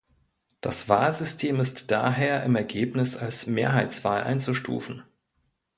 Das Wahlsystem ist daher im Ergebnis als Mehrheitswahl einzustufen.